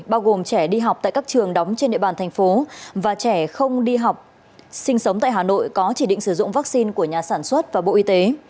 bao gồm trẻ đi học tại các trường đóng trên địa bàn thành phố và trẻ không đi học sinh sống tại hà nội có chỉ định sử dụng vaccine của nhà sản xuất và bộ y tế